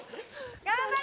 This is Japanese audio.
頑張れ！